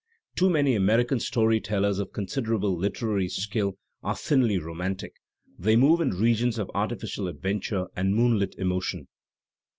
Too many American story tellers of considerable literary skill are thinly romantic; they move in regions of artificial adventure and moonlit emotion.